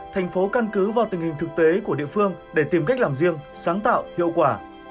thành phố căn cứ vào tình hình thực tế của địa phương để tìm cách làm riêng sáng tạo hiệu quả